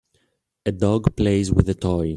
a dog plays with a toy.